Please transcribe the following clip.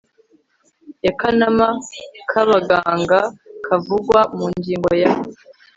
y akanama k abaganga kavugwa mu ngingo ya